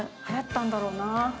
はやったんだろうなぁ。